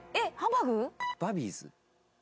バビーズ。